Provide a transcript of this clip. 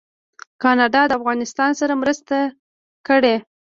کاناډا د افغانستان سره مرسته کړې.